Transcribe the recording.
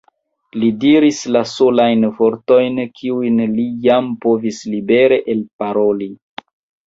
Li diris la solajn vortojn, kiujn li jam povis libere elparoli.